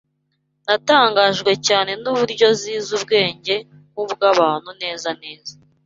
Natangajwe cyane n’uburyo zizi ubwenge nk’ubw’abantu neza neza